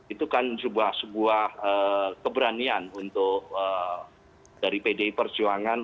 itu kan sebuah keberanian untuk dari pdi perjuangan